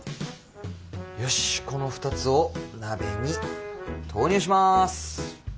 よしこの２つを鍋に投入します。